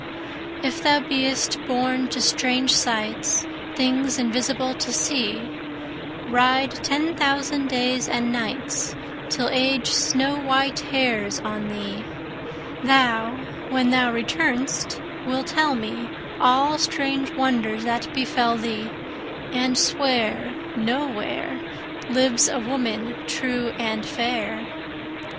If thou be'st born to strange sights, 10 Things invisible to see, Ride ten thousand days and nights Till Age snow white hairs on thee; Thou, when thou return'st, wilt tell me All strange wonders that befell thee, 15 And swear No where Lives a woman true and fair.